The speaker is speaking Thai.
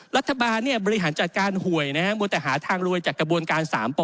รัฐบาลบริหารจัดการหวยนะฮะมัวแต่หาทางรวยจากกระบวนการ๓ป